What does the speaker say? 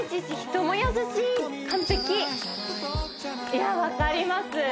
いやわかります